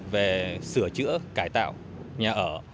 về sửa chữa cải tạo nhà ở